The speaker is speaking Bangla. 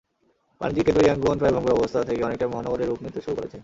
বাণিজ্যিক কেন্দ্র ইয়াঙ্গুন প্রায় ভঙ্গুর অবস্থা থেকে অনেকটাই মহানগরে রূপ নিতে শুরু করেছে।